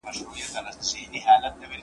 زه اوس د کتابتون د کار مرسته کوم،